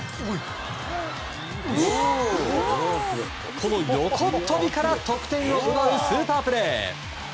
この横っ飛びから得点を奪うスーパープレー。